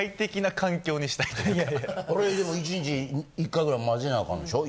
あれでも１日１回ぐらい混ぜなあかんでしょ？